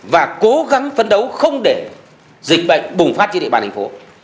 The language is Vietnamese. và cố gắng phấn đấu không để dịch bệnh bùng phát trên địa bàn thành phố